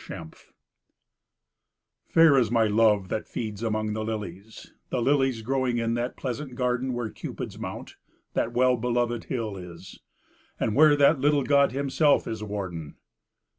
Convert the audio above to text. XXXVII Fair is my love that feeds among the lilies, The lilies growing in that pleasant garden Where Cupid's mount, that well beloved hill is, And where that little god himself is warden.